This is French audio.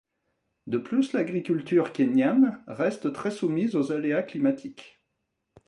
De plus l'agriculture kényane reste très soumise aux aléas climatiques.